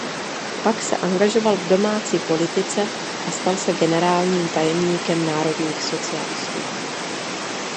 Pak se angažoval v domácí politice a stal se generálním tajemníkem národních socialistů.